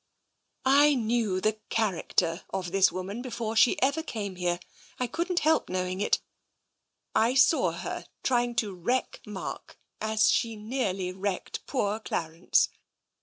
*' I knew the character of this woman before she ever came here — I .couldn't help knowing it — I saw her trying to wreck Mark, as she nearly wrecked poor Qarence.